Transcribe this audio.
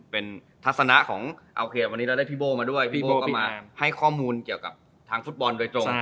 พี่โบ้มาให้ข้อมูลเกี่ยวกับทางฟุตบอลด้วยจง